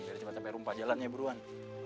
biar cepat capek rumpah jalannya beruan